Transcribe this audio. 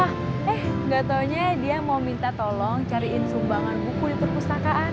eh gak taunya dia mau minta tolong cariin sumbangan buku di perpustakaan